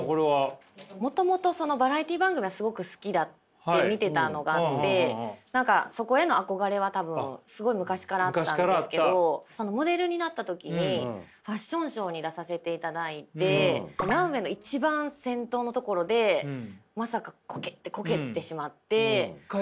もともとバラエティー番組がすごく好きで見てたのがあって何かそこへの憧れは多分すごい昔からあったんですけどモデルになった時にファッションショーに出させていただいてランウェイの一番先頭のところでまさかコケってコケてしまって。